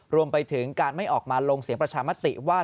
รวมไปถึงการไม่ออกมาลงเสียงประชามติว่า